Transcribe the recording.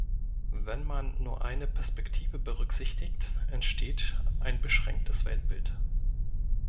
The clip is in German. Wenn man nur eine Perspektive berücksichtigt, entsteht ein beschränktes Weltbild.